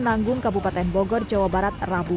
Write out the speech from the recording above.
nanggung kabupaten bogor jawa barat rabu